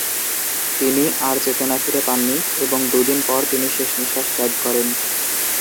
তিনি আর চেতনা ফিরে পাননি এবং দু’দিন পর তিনি শেষ নিঃশ্বাস ত্যাগ করেন।